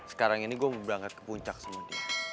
sekarang ini gue mau berangkat ke puncak semua dia